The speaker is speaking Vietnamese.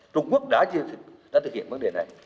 trung quốc đã thực hiện vấn đề này